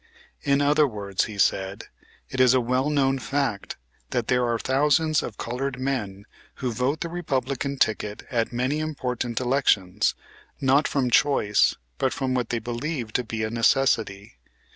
"In other words," he said, "it is a well known fact that there are thousands of colored men who vote the Republican ticket at many important elections, not from choice but from what they believe to be a necessity.